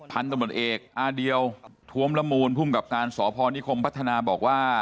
พันธุ์ตำรวจเอกอาเดียวทวมละมูลภูมิกับการสพนิคมพัฒนาบอกว่า